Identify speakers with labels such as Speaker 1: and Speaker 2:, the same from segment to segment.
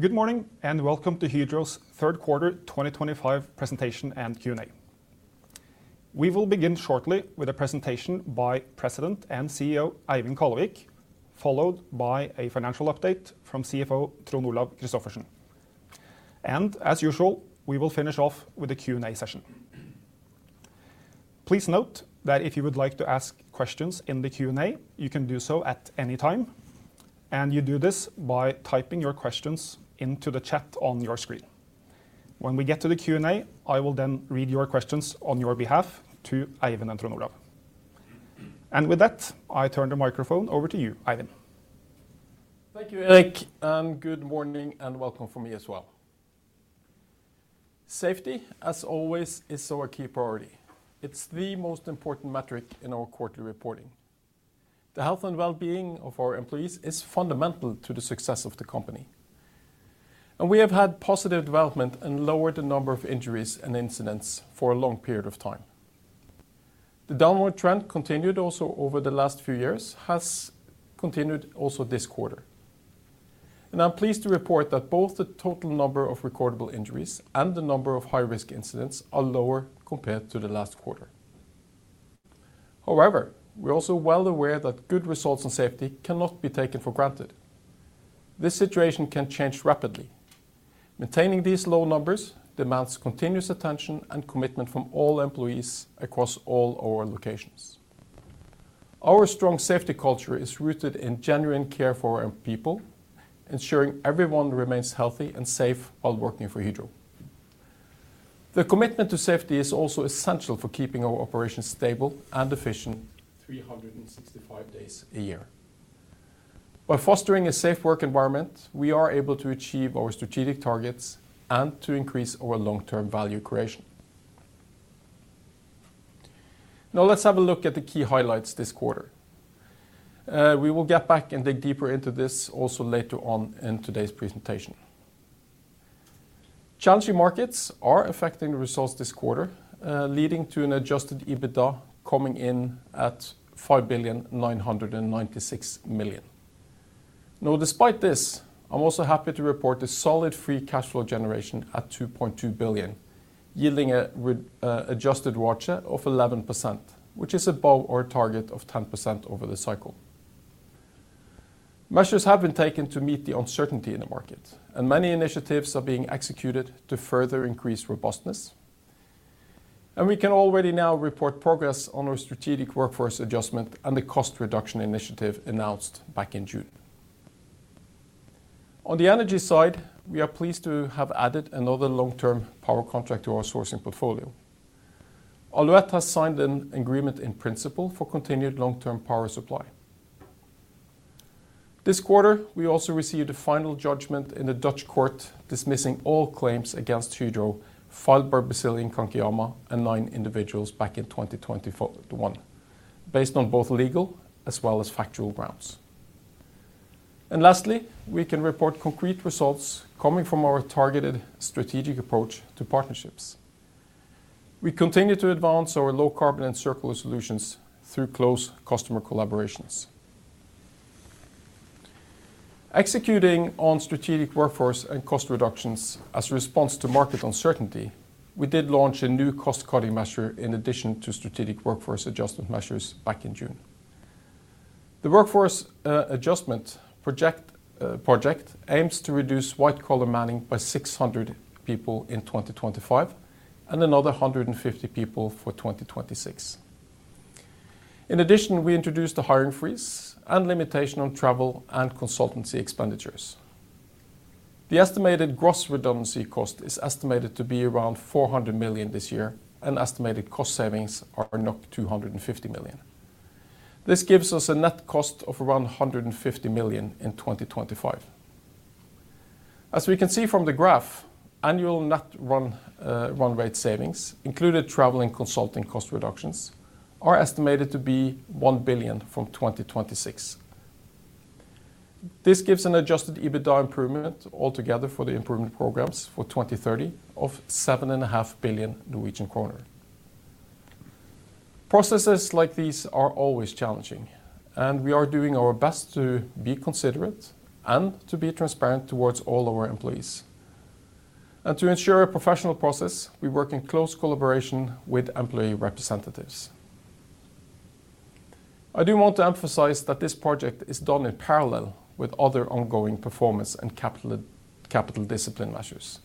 Speaker 1: Good morning and welcome to Hydro's third quarter 2025 presentation and Q&A. We will begin shortly with a presentation by President and CEO Eivind Kallevik, followed by a financial update from CFO Trond Olaf Christophersen. As usual, we will finish off with a Q&A session. Please note that if you would like to ask questions in the Q&A, you can do so at any time, and you do this by typing your questions into the chat on your screen. When we get to the Q&A, I will then read your questions on your behalf to Eivind and Trond Olaf. With that, I turn the microphone over to you, Eivind.
Speaker 2: Thank you, Erik, and good morning and welcome from me as well. Safety, as always, is our key priority. It's the most important metric in our quarterly reporting. The health and well-being of our employees is fundamental to the success of the company. We have had positive development and lowered the number of injuries and incidents for a long period of time. The downward trend continued also over the last few years, has continued also this quarter. I'm pleased to report that both the total number of recordable injuries and the number of high-risk incidents are lower compared to the last quarter. However, we are also well aware that good results in safety cannot be taken for granted. This situation can change rapidly. Maintaining these low numbers demands continuous attention and commitment from all employees across all our locations. Our strong safety culture is rooted in genuine care for our people, ensuring everyone remains healthy and safe while working for Hydro. The commitment to safety is also essential for keeping our operations stable and efficient 365 days a year. By fostering a safe work environment, we are able to achieve our strategic targets and to increase our long-term value creation. Now let's have a look at the key highlights this quarter. We will get back and dig deeper into this also later on in today's presentation. Challenging markets are affecting the results this quarter, leading to an adjusted EBITDA coming in at 5.9 billion. Despite this, I'm also happy to report a solid free cash flow generation at 2.2 billion, yielding an adjusted ROCE of 11%, which is above our target of 10% over the cycle. Measures have been taken to meet the uncertainty in the market, and many initiatives are being executed to further increase robustness. We can already now report progress on our strategic workforce adjustment and the cost reduction initiative announced back in June. On the energy side, we are pleased to have added another long-term power contract to our sourcing portfolio. Alouette has signed an agreement in principle for continued long-term power supply. This quarter, we also received a final judgment in the Dutch Court dismissing all claims against Hydro filed by Brazilian Cainquiama and nine individuals back in 2021, based on both legal as well as factual grounds. Lastly, we can report concrete results coming from our targeted strategic approach to partnerships. We continue to advance our low carbon and circular solutions through close customer collaborations. Executing on strategic workforce and cost reductions as a response to market uncertainty, we did launch a new cost cutting measure in addition to strategic workforce adjustment measures back in June. The workforce adjustment project aims to reduce white-collar manning by 600 people in 2025 and another 150 people for 2026. In addition, we introduced a hiring freeze and limitation on travel and consultancy expenditures. The estimated gross redundancy cost is estimated to be around 400 million this year, and estimated cost savings are 250 million. This gives us a net cost of around 150 million in 2025. As we can see from the graph, annual net run-rate savings, including travel and consulting cost reductions, are estimated to be 1 billion from 2026. This gives an adjusted EBITDA improvement altogether for the improvement programs for 2030 of 7.5 billion Norwegian kroner. Processes like these are always challenging, and we are doing our best to be considerate and to be transparent towards all our employees. To ensure a professional process, we work in close collaboration with employee representatives. I do want to emphasize that this project is done in parallel with other ongoing performance and capital discipline measures.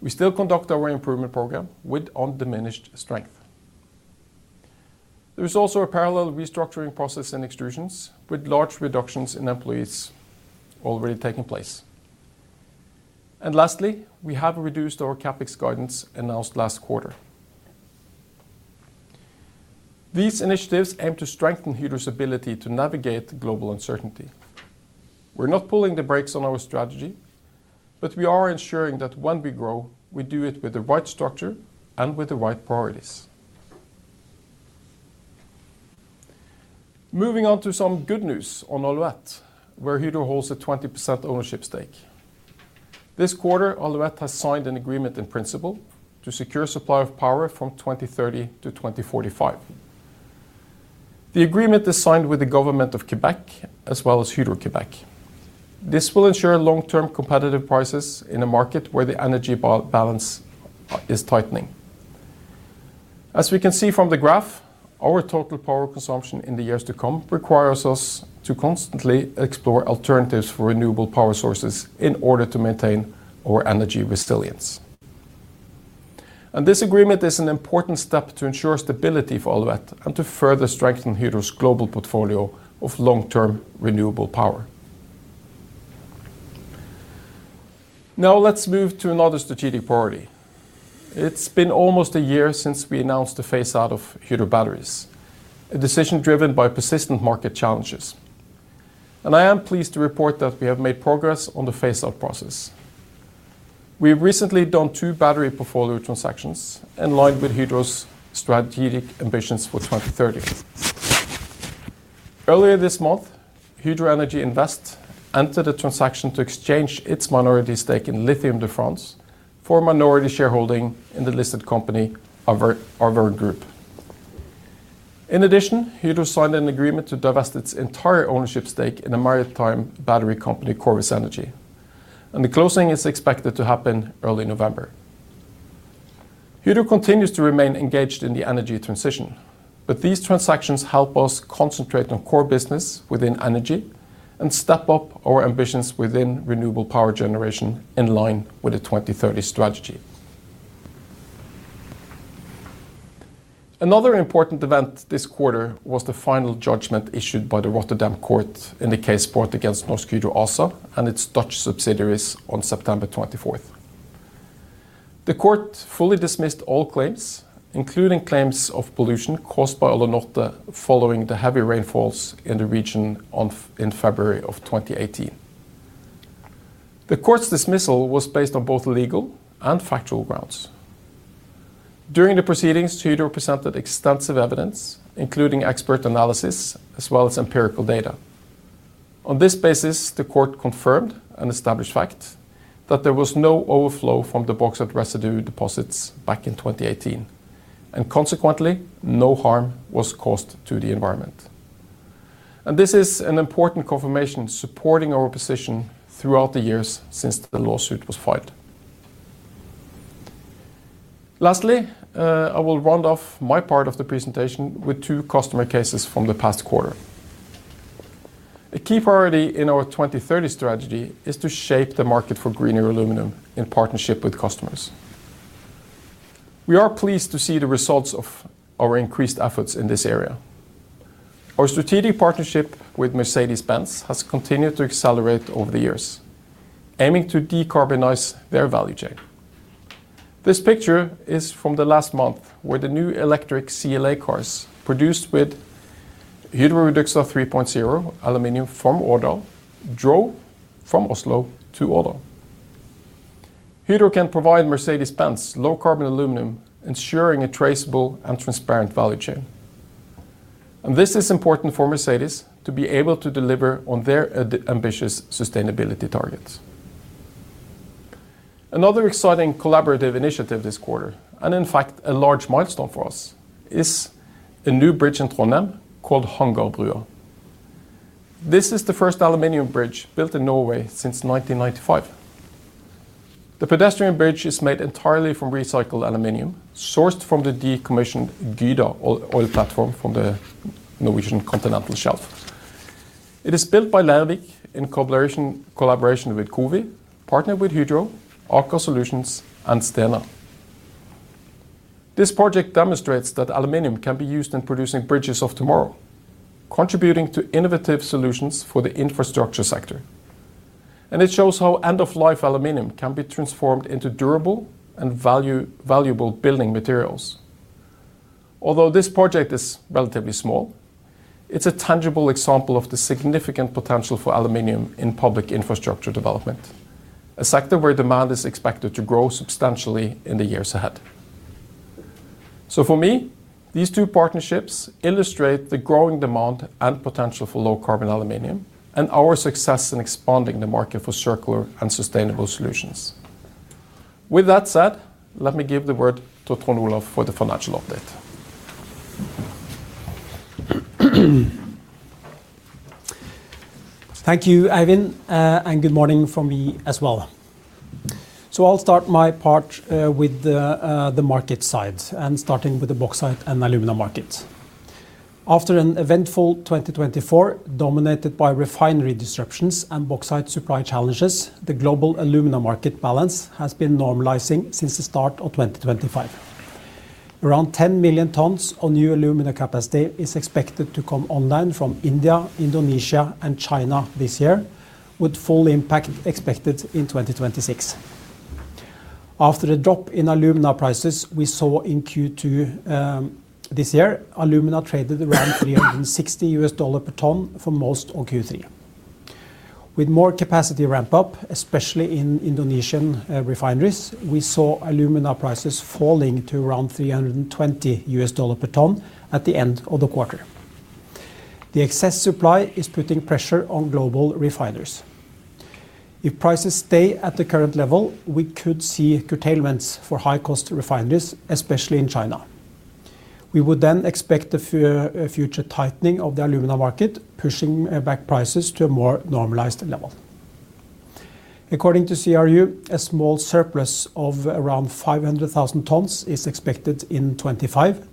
Speaker 2: We still conduct our improvement program with undiminished strength. There is also a parallel restructuring process in extrusions with large reductions in employees already taking place. Lastly, we have reduced our CapEx guidance announced last quarter. These initiatives aim to strengthen Hydro's ability to navigate global uncertainty. We're not pulling the brakes on our strategy, but we are ensuring that when we grow, we do it with the right structure and with the right priorities. Moving on to some good news on Alouette, where Hydro holds a 20% ownership stake. This quarter, Alouette has signed an agreement in principle to secure supply of power from 2030-2045. The agreement is signed with the Government of Quebec as well as Hydro-Québec. This will ensure long-term competitive prices in a market where the energy balance is tightening. As we can see from the graph, our total power consumption in the years to come requires us to constantly explore alternatives for renewable power sources in order to maintain our energy resilience. This agreement is an important step to ensure stability for Alouette and to further strengthen Hydro's global portfolio of long-term renewable power. Now let's move to another strategic priority. It's been almost a year since we announced the phase-out of Hydro batteries, a decision driven by persistent market challenges. I am pleased to report that we have made progress on the phase-out process. We have recently done two battery portfolio transactions in line with Hydro's strategic ambitions for 2030. Earlier this month, Hydro Energy Invest entered a transaction to exchange its minority stake in Lithium de France for minority shareholding in the listed company, Arverne Group. In addition, Hydro signed an agreement to divest its entire ownership stake in a maritime battery company, Corvus Energy, and the closing is expected to happen early November. Hydro continues to remain engaged in the energy transition, but these transactions help us concentrate on core business within energy and step up our ambitions within renewable power generation in line with the 2030 strategy. Another important event this quarter was the final judgment issued by the Rotterdam Court in the case brought against Norsk Hydro ASA and its Dutch subsidiaries on September 24th. The court fully dismissed all claims, including claims of pollution caused by Alunorte following the heavy rainfalls in the region in February of 2018. The court's dismissal was based on both legal and factual grounds. During the proceedings, Hydro presented extensive evidence, including expert analysis as well as empirical data. On this basis, the court confirmed an established fact that there was no overflow from the bauxite residue deposits back in 2018, and consequently, no harm was caused to the environment. This is an important confirmation supporting our position throughout the years since the lawsuit was filed. Lastly, I will round off my part of the presentation with two customer cases from the past quarter. A key priority in our 2030 strategy is to shape the market for greener aluminum in partnership with customers. We are pleased to see the results of our increased efforts in this area. Our strategic partnership with Mercedes-Benz has continued to accelerate over the years, aiming to decarbonize their value chain. This picture is from last month where the new electric CLA cars produced with Hydro REDUXA 3.0 aluminum from Odda drove from Oslo to Odda. Hydro can provide Mercedes-Benz low carbon aluminum, ensuring a traceable and transparent value chain. This is important for Mercedes to be able to deliver on their ambitious sustainability targets. Another exciting collaborative initiative this quarter, in fact a large milestone for us, is a new bridge in Trondheim called Hangarbrua. This is the first aluminum bridge built in Norway since 1995. The pedestrian bridge is made entirely from recycled aluminum, sourced from the decommissioned Gyda oil platform from the Norwegian Continental Shelf. It is built by Leirvik in collaboration with COWI, partnered with Hydro, Aker Solutions, and Stena. This project demonstrates that aluminum can be used in producing bridges of tomorrow, contributing to innovative solutions for the infrastructure sector. It shows how end-of-life aluminum can be transformed into durable and valuable building materials. Although this project is relatively small, it's a tangible example of the significant potential for aluminum in public infrastructure development, a sector where demand is expected to grow substantially in the years ahead. For me, these two partnerships illustrate the growing demand and potential for low carbon aluminum and our success in expanding the market for circular and sustainable solutions. With that said, let me give the word to Trond Olaf for the financial update.
Speaker 3: Thank you, Eivind, and good morning from me as well. I'll start my part with the market side, starting with the bauxite and aluminum market. After an eventful 2024 dominated by refinery disruptions and bauxite supply challenges, the global aluminum market balance has been normalizing since the start of 2025. Around 10 million tons of new aluminum capacity is expected to come online from India, Indonesia, and China this year, with full impact expected in 2026. After the drop in aluminum prices we saw in Q2 this year, aluminum traded around $360 per ton for most of Q3. With more capacity ramp-up, especially in Indonesian refineries, we saw aluminum prices falling to around $320 per ton at the end of the quarter. The excess supply is putting pressure on global refiners. If prices stay at the current level, we could see curtailments for high-cost refineries, especially in China. We would then expect a future tightening of the aluminum market, pushing back prices to a more normalized level. According to CRU, a small surplus of around 500,000 tons is expected in 2025,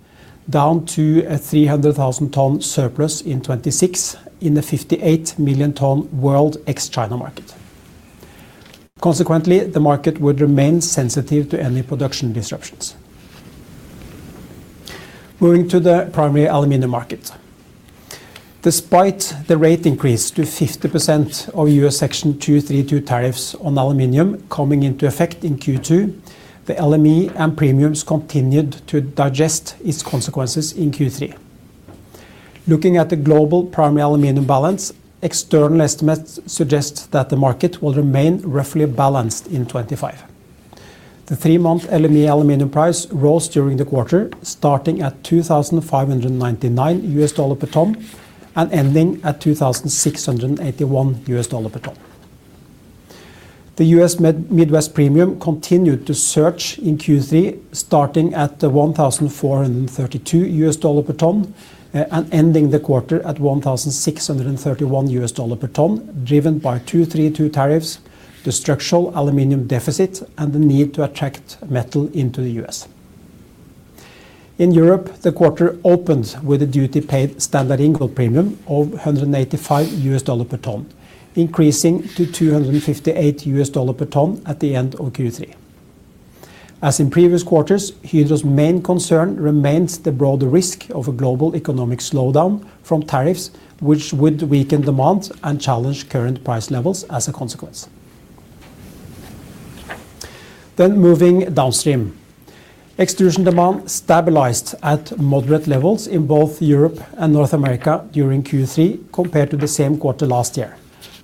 Speaker 3: down to a 300,000-ton surplus in 2026 in a 58 million-ton world ex-China market. Consequently, the market would remain sensitive to any production disruptions. Moving to the primary aluminum market. Despite the rate increase to 50% of U.S. Section 232 tariffs on aluminum coming into effect in Q2, the LME and premiums continued to digest its consequences in Q3. Looking at the global primary aluminum balance, external estimates suggest that the market will remain roughly balanced in 2025. The three-month LME aluminum price rose during the quarter, starting at $2,599 per ton and ending at $2,681 per ton. The U.S. Midwest premium continued to surge in Q3, starting at $1,432 per ton and ending the quarter at $1,631 per ton, driven by 232 tariffs, the structural aluminum deficit, and the need to attract metal into the U.S. In Europe, the quarter opened with a duty paid standard income premium of $185 per ton, increasing to $258 per ton at the end of Q3. As in previous quarters, Hydro's main concern remains the broader risk of a global economic slowdown from tariffs, which would weaken demand and challenge current price levels as a consequence. Moving downstream, extrusion demand stabilized at moderate levels in both Europe and North America during Q3 compared to the same quarter last year,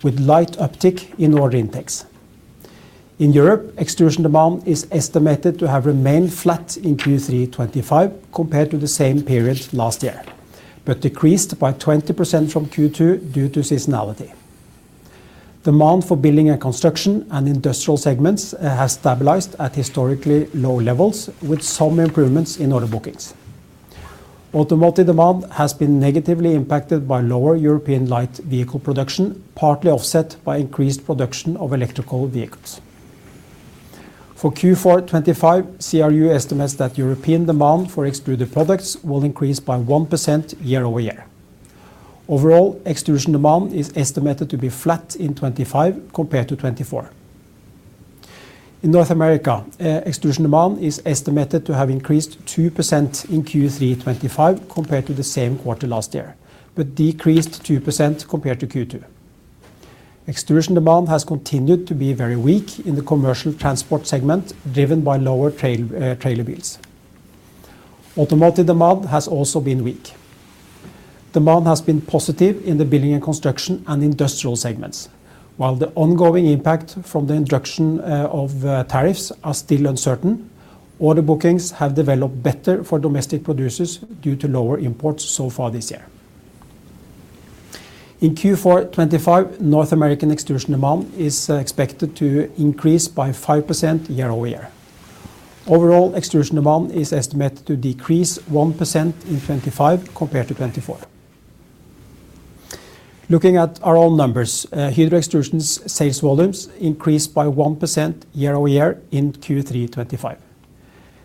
Speaker 3: with a light uptick in order intakes. In Europe, extrusion demand is estimated to have remained flat in Q3 2025 compared to the same period last year, but decreased by 20% from Q2 due to seasonality. Demand for building and construction and industrial segments has stabilized at historically low levels, with some improvements in order bookings. Automotive demand has been negatively impacted by lower European light vehicle production, partly offset by increased production of electrical vehicles. For Q4 2025, CRU estimates that European demand for extruded products will increase by 1% year-over-year. Overall, extrusion demand is estimated to be flat in 2025 compared to 2024. In North America, extrusion demand is estimated to have increased 2% in Q3 2025 compared to the same quarter last year, but decreased 2% compared to Q2. Extrusion demand has continued to be very weak in the commercial transport segment, driven by lower trailer bills. Automotive demand has also been weak. Demand has been positive in the building and construction and industrial segments, while the ongoing impact from the induction of tariffs is still uncertain. Order bookings have developed better for domestic producers due to lower imports so far this year. In Q4 2025, North American extrusion demand is expected to increase by 5% year-over-year. Overall, extrusion demand is estimated to decrease 1% in 2025 compared to 2024. Looking at our own numbers, Hydro Extrusion's sales volumes increased by 1% year-over-year in Q3 2025.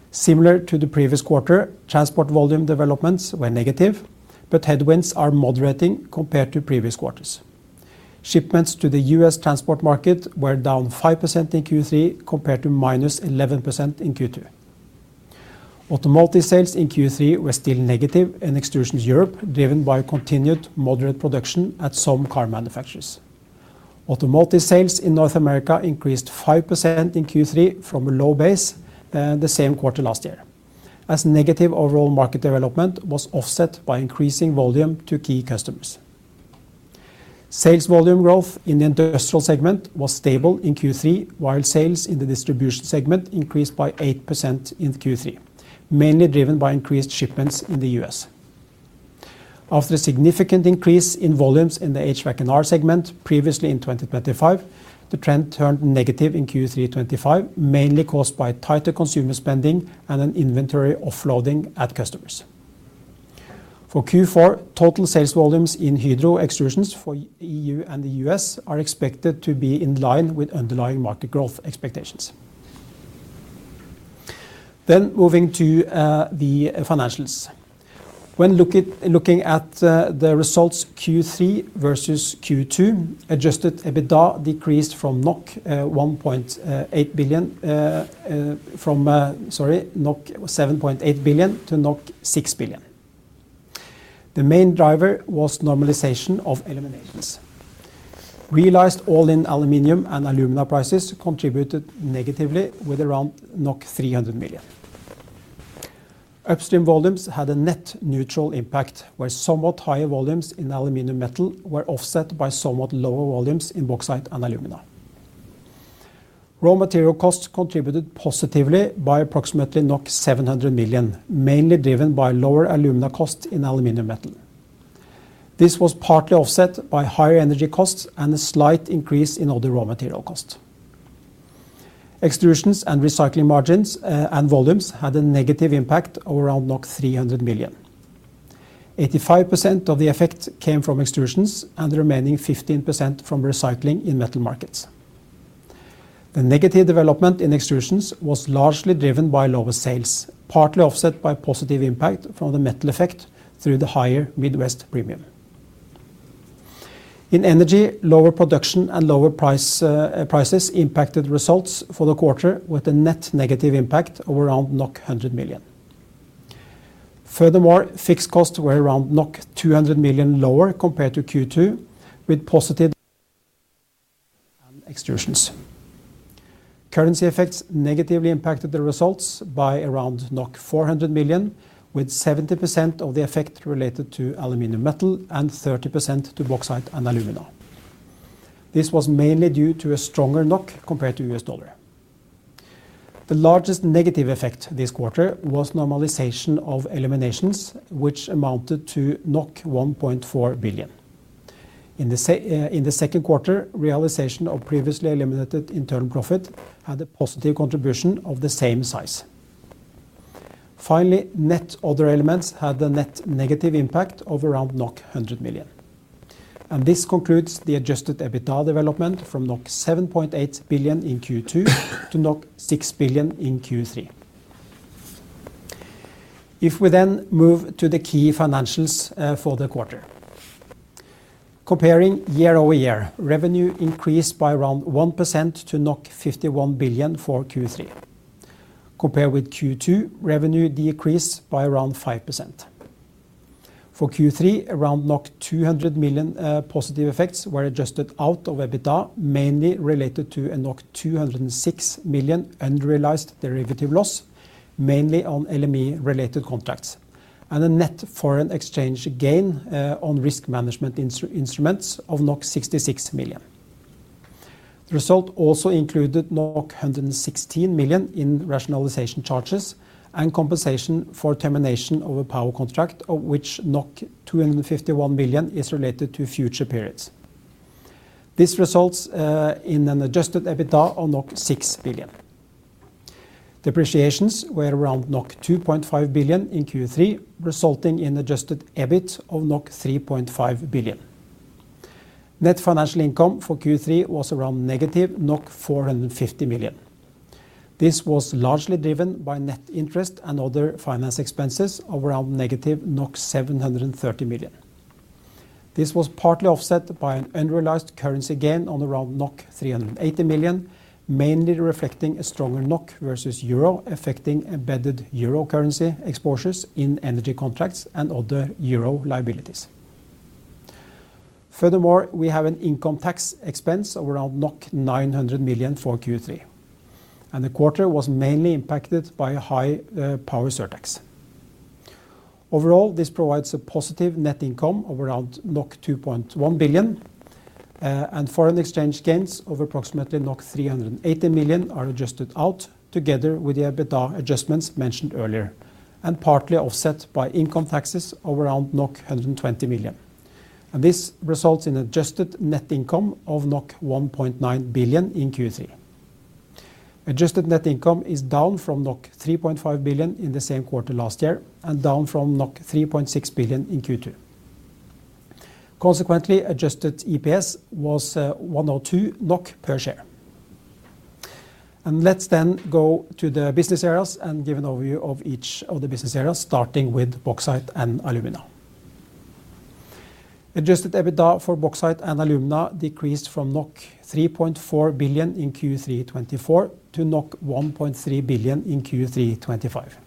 Speaker 3: Similar to the previous quarter, transport volume developments were negative, but headwinds are moderating compared to previous quarters. Shipments to the U.S. transport market were down 5% in Q3 compared to -11% in Q2. Automotive sales in Q3 were still negative in Extrusions Europe, driven by continued moderate production at some car manufacturers. Automotive sales in North America increased 5% in Q3 from a low base in the same quarter last year, as negative overall market development was offset by increasing volume to key customers. Sales volume growth in the industrial segment was stable in Q3, while sales in the distribution segment increased by 8% in Q3, mainly driven by increased shipments in the U.S. After a significant increase in volumes in the HVAC and R segment previously in 2025, the trend turned negative in Q3 2025, mainly caused by tighter consumer spending and an inventory offloading at customers. For Q4, total sales volumes in Hydro Extrusions for EU and the U.S. are expected to be in line with underlying market growth expectations. Moving to the financials, when looking at the results Q3 versus Q2, adjusted EBITDA decreased from 7.8 billion-6 billion NOK. The main driver was normalization of eliminations. Realized all-in aluminum and aluminum prices contributed negatively with around 300 million. Upstream volumes had a net neutral impact, where somewhat higher volumes in aluminum metal were offset by somewhat lower volumes in bauxite and alumina. Raw material costs contributed positively by approximately 700 million, mainly driven by lower aluminum costs in aluminum metal. This was partly offset by higher energy costs and a slight increase in other raw material costs. Extrusions and recycling margins and volumes had a negative impact of around 300 million. 85% of the effect came from extrusions and the remaining 15% from recycling in metal markets. The negative development in extrusions was largely driven by lower sales, partly offset by a positive impact from the metal effect through the higher Midwest premium. In energy, lower production and lower prices impacted results for the quarter with a net negative impact of around 100 million. Furthermore, fixed costs were around 200 million lower compared to Q2, with positive extrusions. Currency effects negatively impacted the results by around 400 million, with 70% of the effect related to aluminum metal and 30% to bauxite and alumina. This was mainly due to a stronger NOK compared to USD. The largest negative effect this quarter was normalization of eliminations, which amounted to 1.4 billion. In the second quarter, realization of previously eliminated internal profit had a positive contribution of the same size. Finally, net other elements had a net negative impact of around 100 million. This concludes the adjusted EBITDA development from 7.8 billion in Q2 to 6 billion in Q3. If we then move to the key financials for the quarter, comparing year-over-year, revenue increased by around 1% to 51 billion for Q3. Compared with Q2, revenue decreased by around 5%. For Q3, around 200 million positive effects were adjusted out of EBITDA, mainly related to a 206 million unrealized derivative loss, mainly on LME-related contracts, and a net foreign exchange gain on risk management instruments of 66 million. The result also included 116 million in rationalization charges and compensation for termination of a power contract, of which 251 million is related to future periods. This results in an adjusted EBITDA of 6 billion. Depreciations were around 2.5 billion in Q3, resulting in an adjusted EBIT of 3.5 billion. Net financial income for Q3 was around -450 million. This was largely driven by net interest and other finance expenses of around -730 million. This was partly offset by an unrealized currency gain on around 380 million, mainly reflecting a stronger NOK versus euro, affecting embedded euro currency exposures in energy contracts and other euro liabilities. Furthermore, we have an income tax expense of around 900 million for Q3, and the quarter was mainly impacted by a high power surtax. Overall, this provides a positive net income of around 2.1 billion, and foreign exchange gains of approximately 380 million are adjusted out, together with the EBITDA adjustments mentioned earlier, and partly offset by income taxes of around 120 million. This results in an adjusted net income of 1.9 billion in Q3. Adjusted net income is down from 3.5 billion in the same quarter last year and down from 3.6 billion in Q2. Consequently, adjusted EPS was 102 NOK per share. Let's then go to the business areas and give an overview of each of the business areas, starting with bauxite and aluminum. Adjusted EBITDA for bauxite and aluminum decreased from 3.4 billion in Q3 2024 to 1.3 billion in Q3 2025.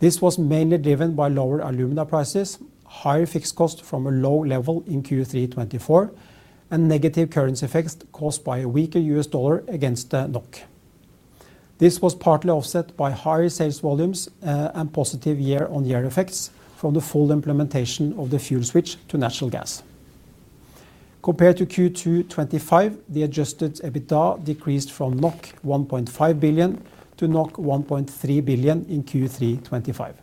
Speaker 3: This was mainly driven by lower aluminum prices, higher fixed costs from a low level in Q3 2024, and negative currency effects caused by a weaker USD against NOK. This was partly offset by higher sales volumes and positive year-on-year effects from the full implementation of the fuel switch to natural gas. Compared to Q2 2025, the adjusted EBITDA decreased from 1.5 billion-1.3 billion NOK in Q3 2025,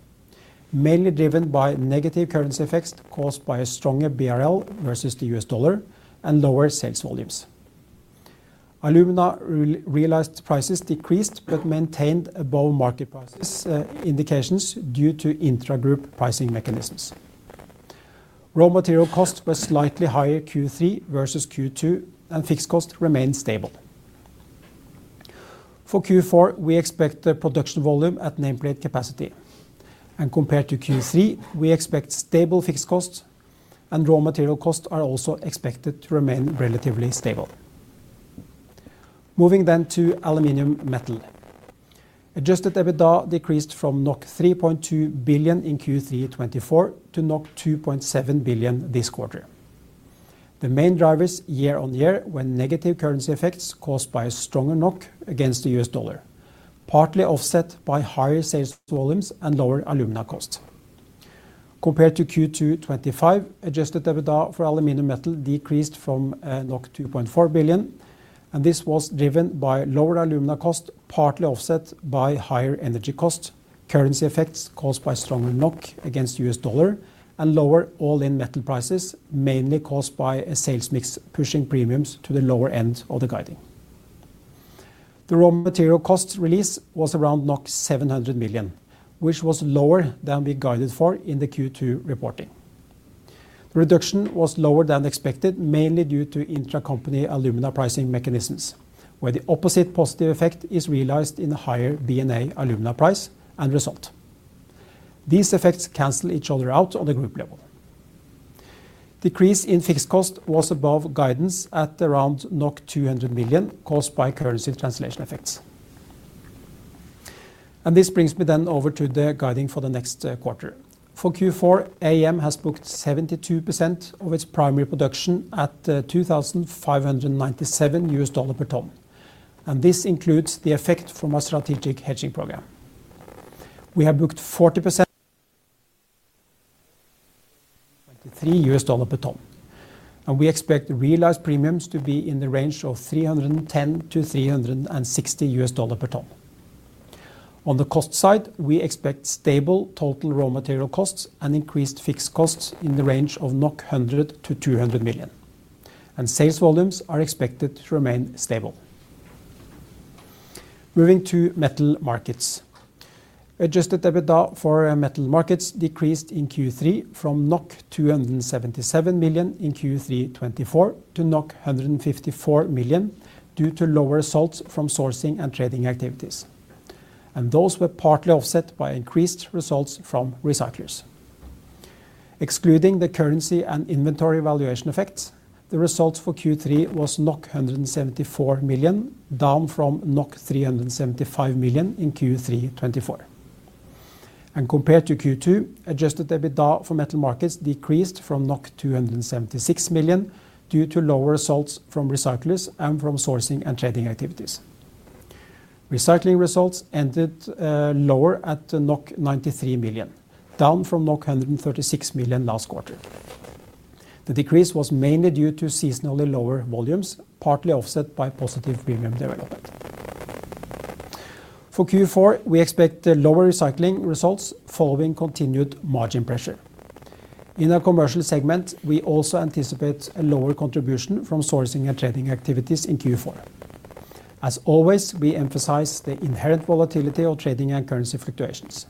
Speaker 3: mainly driven by negative currency effects caused by a stronger BRL versus the USD and lower sales volumes. Aluminum realized prices decreased but maintained above market price indications due to intra-group pricing mechanisms. Raw material costs were slightly higher Q3 versus Q2, and fixed costs remained stable. For Q4, we expect the production volume at nameplate capacity, and compared to Q3, we expect stable fixed costs, and raw material costs are also expected to remain relatively stable. Moving then to aluminum metal. Adjusted EBITDA decreased from 3.2 billion in Q3 2024 to 2.7 billion this quarter. The main drivers, year-on-year, were negative currency effects caused by a stronger NOK against the USD, partly offset by higher sales volumes and lower aluminum costs. Compared to Q2 2025, adjusted EBITDA for aluminum metal decreased from 2.4 billion, and this was driven by lower aluminum costs, partly offset by higher energy costs, currency effects caused by stronger NOK against USD, and lower all-in metal prices, mainly caused by a sales mix pushing premiums to the lower end of the guiding. The raw material costs release was around 700 million, which was lower than we guided for in the Q2 reporting. The reduction was lower than expected, mainly due to intra-company aluminum pricing mechanisms, where the opposite positive effect is realized in a higher BNA aluminum price and result. These effects cancel each other out on the group level. The decrease in fixed costs was above guidance at around 200 million, caused by currency translation effects. This brings me then over to the guiding for the next quarter. For Q4, AM has booked 72% of its primary production at $2,597 per ton, and this includes the effect from our strategic hedging program. We have booked 40% of 2023 at $2,023 per ton, and we expect the realized premiums to be in the range of $310-$360 per ton. On the cost side, we expect stable total raw material costs and increased fixed costs in the range of 100 million-200 million, and sales volumes are expected to remain stable. Moving to metal markets. Adjusted EBITDA for metal markets decreased in Q3 from 277 million in Q3 2024 to 154 million due to lower results from sourcing and trading activities, and those were partly offset by increased results from recyclers. Excluding the currency and inventory valuation effects, the result for Q3 was 174 million, down from 375 million in Q3 2024. Compared to Q2, adjusted EBITDA for metal markets decreased from 276 million due to lower results from recyclers and from sourcing and trading activities. Recycling results ended lower at 93 million, down from 136 million last quarter. The decrease was mainly due to seasonally lower volumes, partly offset by positive premium development. For Q4, we expect lower recycling results following continued margin pressure. In our commercial segment, we also anticipate a lower contribution from sourcing and trading activities in Q4. We emphasize the inherent volatility of trading and currency fluctuations.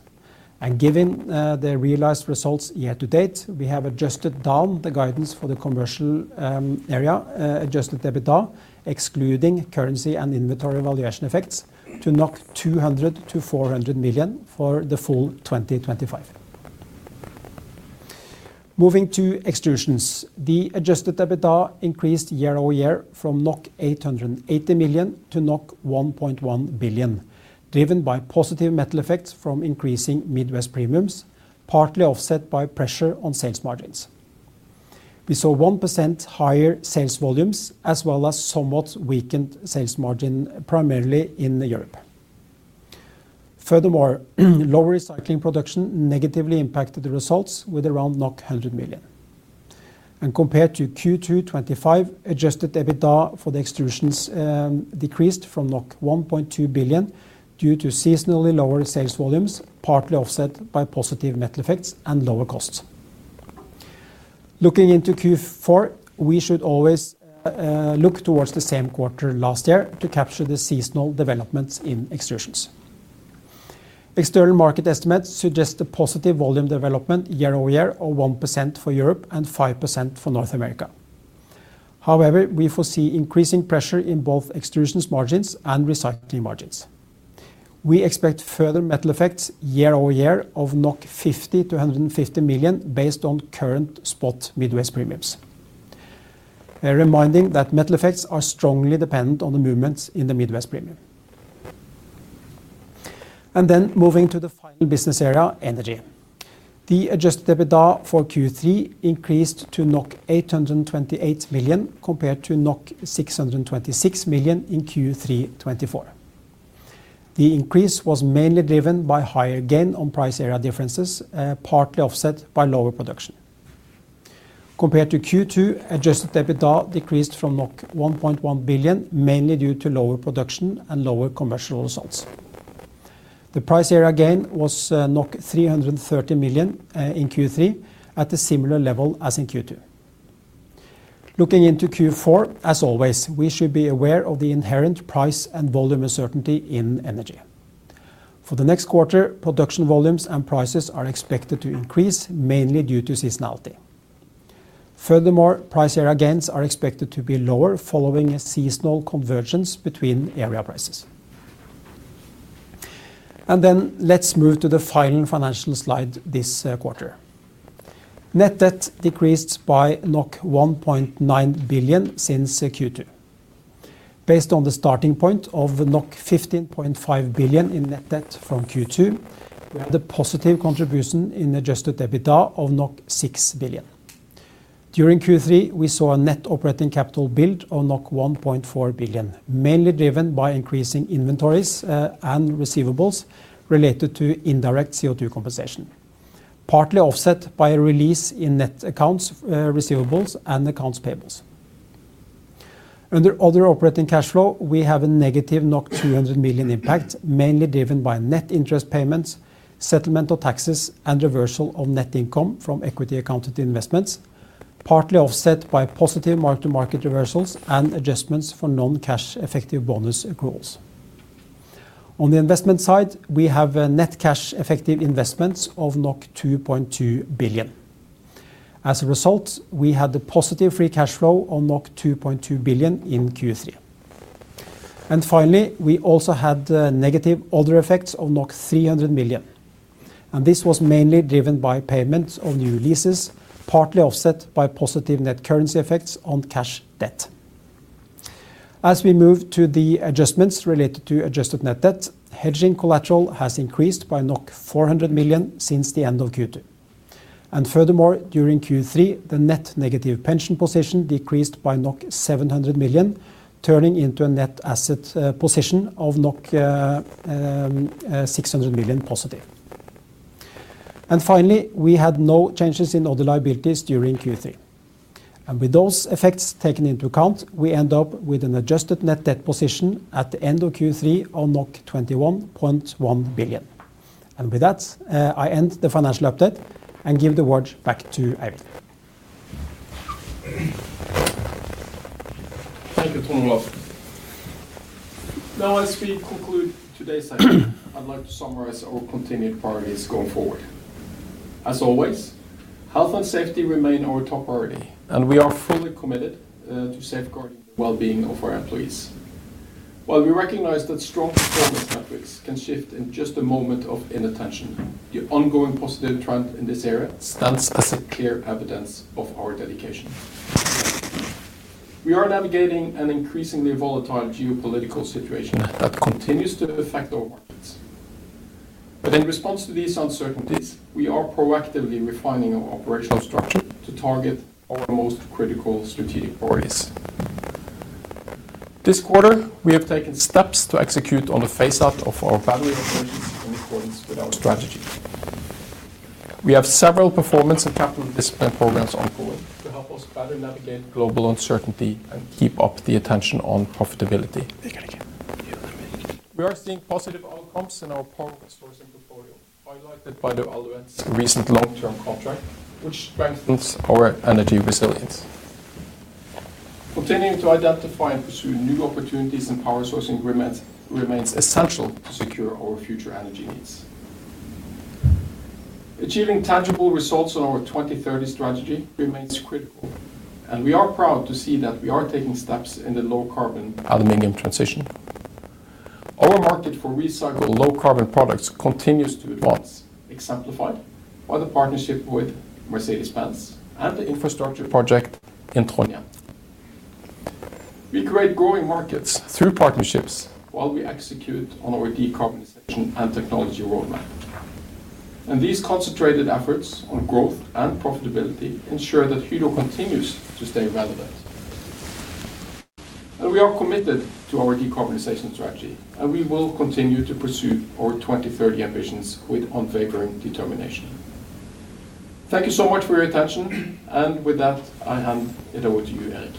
Speaker 3: Given the realized results year to date, we have adjusted down the guidance for the commercial area adjusted EBITDA, excluding currency and inventory valuation effects, to 200 million-400 million for the full 2025. Moving to extrusions, the adjusted EBITDA increased year-over-year from 880 million-1.1 billion NOK, driven by positive metal effects from increasing Midwest premiums, partly offset by pressure on sales margins. We saw 1% higher sales volumes, as well as somewhat weakened sales margins, primarily in Europe. Furthermore, lower recycling production negatively impacted the results with around 100 million. Compared to Q2 2025, adjusted EBITDA for the extrusions decreased from 1.2 billion due to seasonally lower sales volumes, partly offset by positive metal effects and lower costs. Looking into Q4, we should always look towards the same quarter last year to capture the seasonal developments in extrusions. External market estimates suggest a positive volume development year-over-year of 1% for Europe and 5% for North America. However, we foresee increasing pressure in both extrusions margins and recycling margins. We expect further metal effects year-over-year of NOK 50 million-150 million based on current spot Midwest premiums. A reminder that metal effects are strongly dependent on the movements in the Midwest premium. Moving to the final business area, energy. The adjusted EBITDA for Q3 increased to 828 million compared to 626 million in Q3 2024. The increase was mainly driven by higher gain on price area differences, partly offset by lower production. Compared to Q2, adjusted EBITDA decreased from 1.1 billion, mainly due to lower production and lower commercial results. The price area gain was 330 million in Q3, at a similar level as in Q2. Looking into Q4, we should be aware of the inherent price and volume uncertainty in energy. For the next quarter, production volumes and prices are expected to increase, mainly due to seasonality. Furthermore, price area gains are expected to be lower following a seasonal convergence between area prices. Let's move to the final financial slide this quarter. Net debt decreased by 1.9 billion since Q2. Based on the starting point of 15.5 billion in net debt from Q2, we had a positive contribution in adjusted EBITDA of 6 billion. During Q3, we saw a net operating capital build of 1.4 billion, mainly driven by increasing inventories and receivables related to indirect CO2 compensation, partly offset by a release in net accounts receivables and accounts payables. Under other operating cash flow, we have a -200 million impact, mainly driven by net interest payments, settlement of taxes, and reversal of net income from equity accounted investments, partly offset by positive mark-to-market reversals and adjustments for non-cash effective bonus accruals. On the investment side, we have net cash effective investments of 2.2 billion. As a result, we had a positive free cash flow of 2.2 billion in Q3. We also had negative other effects of 300 million. This was mainly driven by payments of new leases, partly offset by positive net currency effects on cash debt. As we move to the adjustments related to adjusted net debt, hedging collateral has increased by 400 million since the end of Q2. Furthermore, during Q3, the net negative pension position decreased by 700 million, turning into a net asset position of 600 million positive. We had no changes in other liabilities during Q3. With those effects taken into account, we end up with an adjusted net debt position at the end of Q3 of 21.1 billion. With that, I end the financial update and give the word back to Eivind.
Speaker 2: Thank you, Trond Olaf. Now, as we conclude today's session, I'd like to summarize our continued priorities going forward. As always, health and safety remain our top priority, and we are fully committed to safeguarding the well-being of our employees. While we recognize that strong performance metrics can shift in just a moment of inattention, the ongoing positive trend in this area stands as clear evidence of our dedication. We are navigating an increasingly volatile geopolitical situation that continues to affect our markets. In response to these uncertainties, we are proactively refining our operational structure to target our most critical strategic priorities. This quarter, we have taken steps to execute on the phase-out of our battery operations in accordance with our strategy. We have several performance and capital discipline programs ongoing to help us better navigate global uncertainty and keep up the attention on profitability. We are seeing positive outcomes in our power sourcing portfolio, highlighted by Alouette's recent long-term contract, which strengthens our energy resilience. Continuing to identify and pursue new opportunities in power sourcing remains essential to secure our future energy needs. Achieving tangible results on our 2030 strategy remains critical, and we are proud to see that we are taking steps in the low carbon aluminum transition. Our market for recycled low carbon products continues to advance, exemplified by the partnership with Mercedes-Benz and the infrastructure project in Trondheim. We create growing markets through partnerships while we execute on our decarbonization and technology roadmap. These concentrated efforts on growth and profitability ensure that Hydro continues to stay relevant. We are committed to our decarbonization strategy, and we will continue to pursue our 2030 ambitions with unwavering determination. Thank you so much for your attention, and with that, I hand it over to you, Erik.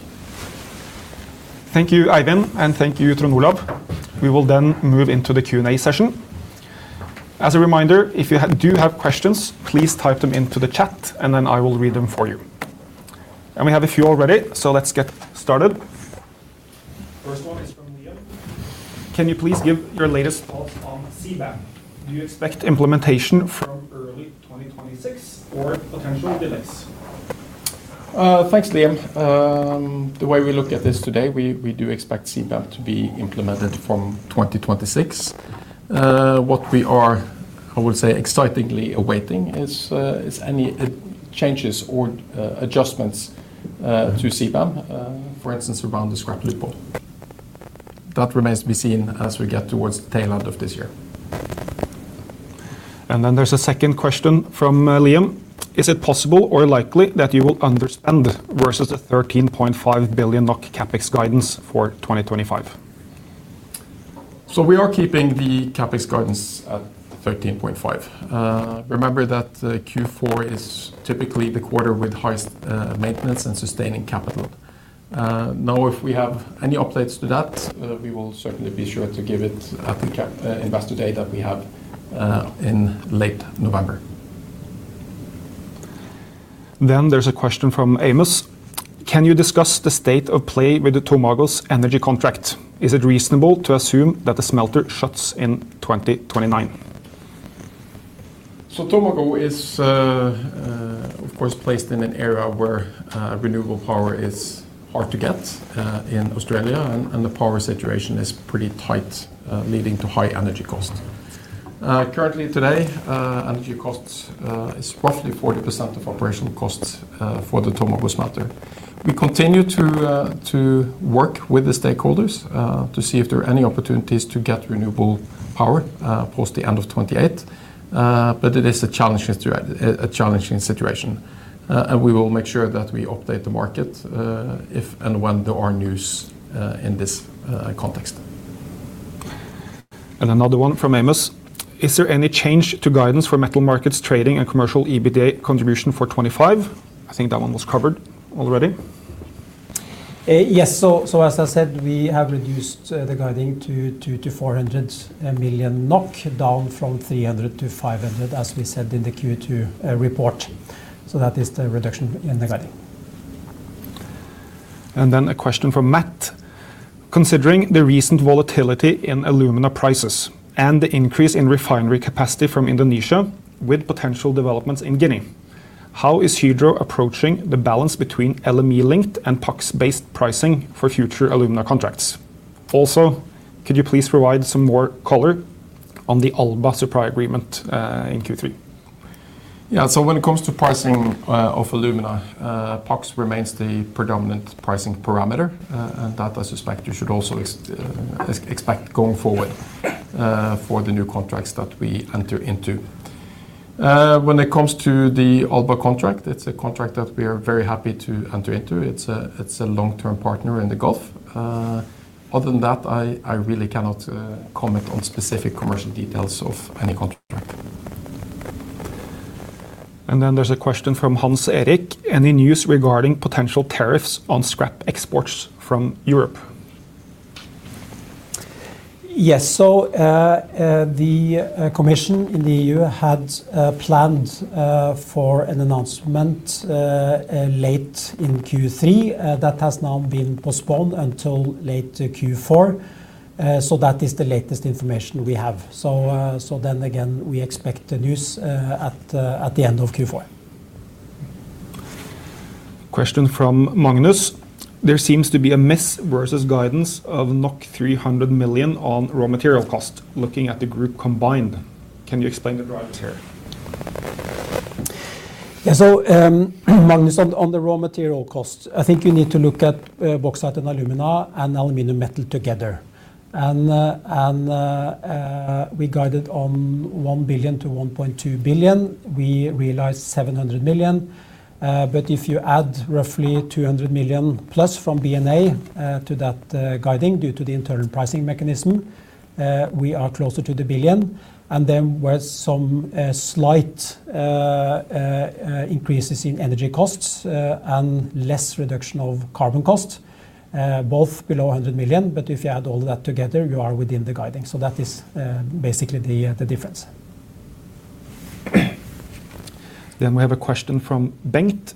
Speaker 1: Thank you, Eivind, and thank you, Trond Olaf. We will then move into the Q&A session. As a reminder, if you do have questions, please type them into the chat, and I will read them for you. We have a few already, so let's get started. First one is from Liam. Can you please give your latest thoughts on CBAM? Do you expect implementation from early 2026 or potential delays?
Speaker 2: Thanks, Liam. The way we look at this today, we do expect CBAM to be implemented from 2026. What we are, I will say, excitingly awaiting is any changes or adjustments to CBAM, for instance, around the scrap liquid. That remains to be seen as we get towards the tail end of this year.
Speaker 1: There is a second question from Liam. Is it possible or likely that you will understand versus the 13.5 billion NOK CapEx guidance for 2025?
Speaker 2: We are keeping the CapEx guidance at 13.5 million. Remember that Q4 is typically the quarter with highest maintenance and sustaining capital. If we have any updates to that, we will certainly be sure to give it at the Investor Day that we have in late November.
Speaker 1: There's a question from Amos. Can you discuss the state of play with the Tomago's energy contract? Is it reasonable to assume that the smelter shuts in 2029?
Speaker 2: Tomago is, of course, placed in an area where renewable power is hard to get in Australia, and the power situation is pretty tight, leading to high energy cost. Currently, today, energy cost is roughly 40% of operational costs for the Tomago smelter. We continue to work with the stakeholders to see if there are any opportunities to get renewable power post the end of 2028, but it is a challenging situation. We will make sure that we update the market if and when there are news in this context.
Speaker 1: Is there any change to guidance for metal markets trading and commercial EBITDA contribution for 2025? I think that one was covered already.
Speaker 3: Yes, as I said, we have reduced the guiding to 200 million-400 million NOK, down from 300 million-500 million, as we said in the Q2 report. That is the reduction in the guiding.
Speaker 1: A question from Matt. Considering the recent volatility in aluminum prices and the increase in refinery capacity from Indonesia, with potential developments in Guinea, how is Hydro approaching the balance between LME-linked and PACS-based pricing for future aluminum contracts? Also, could you please provide some more color on the Alba supply agreement in Q3?
Speaker 2: When it comes to pricing of aluminum, PACS remains the predominant pricing parameter, and that I suspect you should also expect going forward for the new contracts that we enter into. When it comes to the Alba contract, it's a contract that we are very happy to enter into. It's a long-term partner in the Gulf. Other than that, I really cannot comment on specific commercial details of any contract.
Speaker 1: There is a question from Hans-Erik. Any news regarding potential tariffs on scrap exports from Europe?
Speaker 3: Yes, the Commission in the EU had planned for an announcement late in Q3. That has now been postponed until late Q4. That is the latest information we have. We expect the news at the end of Q4.
Speaker 1: Question from Magnus. There seems to be a miss versus guidance of 300 million on raw material costs, looking at the group combined. Can you explain the drivers here?
Speaker 3: Magnus, on the raw material costs, I think you need to look at bauxite and alumina and aluminum metal together. We guided on 1 billion-1.2 billion. We realized 700 million. If you add roughly 200+ million from B&A to that guiding due to the internal pricing mechanism, we are closer to the billion. There were some slight increases in energy costs and less reduction of carbon costs, both below 100 million. If you add all of that together, you are within the guiding. That is basically the difference.
Speaker 1: We have a question from Bengt.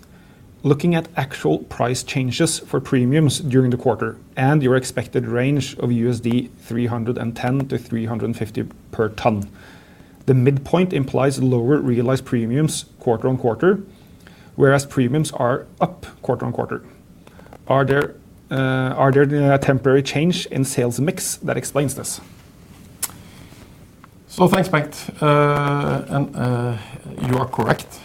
Speaker 1: Looking at actual price changes for premiums during the quarter and your expected range of $310-$350 per ton, the midpoint implies lower realized premiums quarter-on-quarter, whereas premiums are up quarter-on-quarter. Are there temporary changes in sales mix that explain this?
Speaker 2: Thank you, Bengt. You are correct.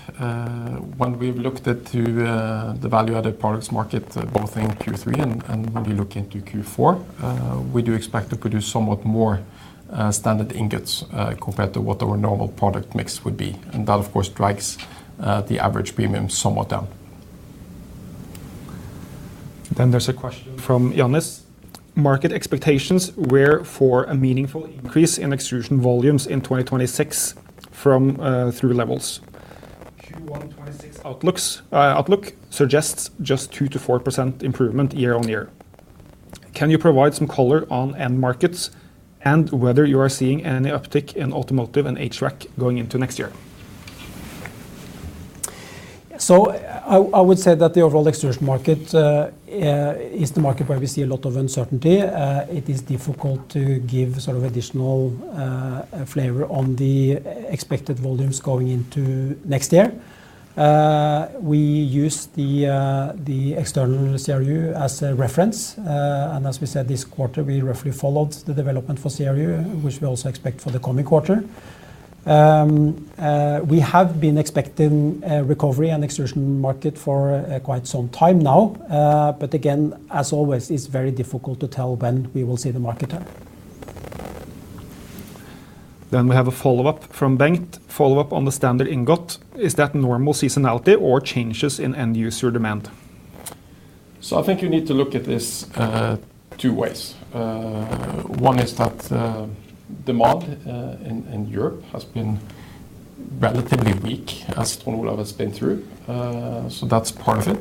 Speaker 2: When we looked at the value-added products market both in Q3 and when we look into Q4, we do expect to produce somewhat more standard ingots compared to what our normal product mix would be. That, of course, drags the average premium somewhat down.
Speaker 1: There is a question from Jannis. Market expectations were for a meaningful increase in extrusion volumes in 2026 from three levels. Q1 2026 outlook suggests just 2%-4% improvement year-on-year. Can you provide some color on end markets and whether you are seeing any uptick in automotive and HVAC going into next year?
Speaker 3: I would say that the overall extrusion market is the market where we see a lot of uncertainty. It is difficult to give sort of additional flavor on the expected volumes going into next year. We use the external CRU as a reference, and as we said this quarter, we roughly followed the development for CRU, which we also expect for the coming quarter. We have been expecting a recovery in the extrusion market for quite some time now. Again, as always, it's very difficult to tell when we will see the market turn.
Speaker 1: We have a follow-up from Bengt. Follow-up on the standard ingot. Is that normal seasonality or changes in end-user demand?
Speaker 2: I think you need to look at this two ways. One is that demand in Europe has been relatively weak, as Trond Olaf Christophersen has been through. That's part of it.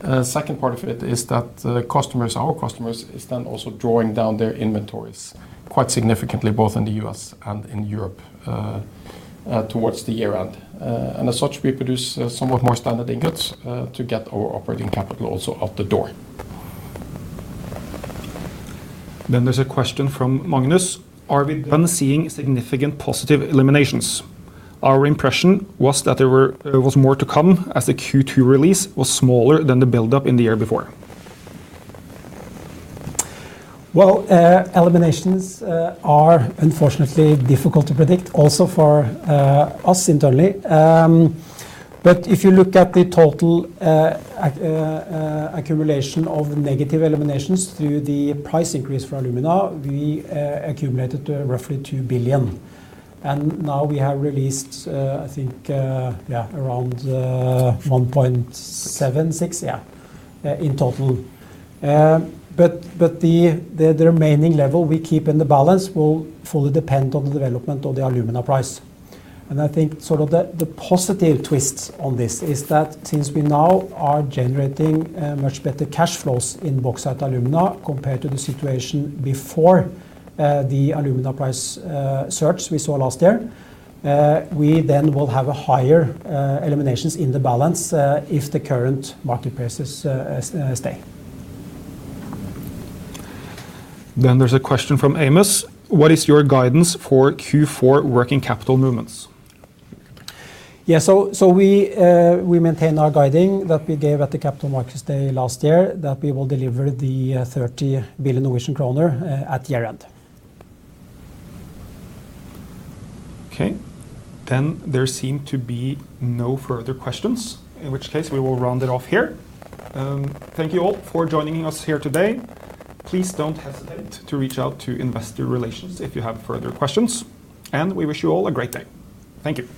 Speaker 2: The second part of it is that our customers are also drawing down their inventories quite significantly, both in the U.S. and in Europe, towards the year-end. As such, we produce somewhat more standard ingots to get our operating capital also out the door.
Speaker 1: There is a question from Magnus. Are we then seeing significant positive eliminations? Our impression was that there was more to come as the Q2 release was smaller than the buildup in the year before.
Speaker 3: Eliminations are unfortunately difficult to predict, also for us internally. If you look at the total accumulation of negative eliminations through the price increase for aluminum, we accumulated roughly 2 billion. Now we have released, I think, yeah, around 1.76 billion in total. The remaining level we keep in the balance will fully depend on the development of the aluminum price. I think the positive twist on this is that since we now are generating much better cash flows in bauxite aluminum compared to the situation before the aluminum price surge we saw last year, we then will have higher eliminations in the balance if the current market prices stay.
Speaker 1: There is a question from Amos. What is your guidance for Q4 working capital movements?
Speaker 3: Yeah, we maintain our guiding that we gave at the Capital Markets Day last year, that we will deliver the 30 billion Norwegian kroner at year-end.
Speaker 1: Okay, there seem to be no further questions, in which case we will round it off here. Thank you all for joining us here today. Please don't hesitate to reach out to Investor Relations if you have further questions. We wish you all a great day. Thank you.